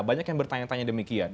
banyak yang bertanya tanya demikian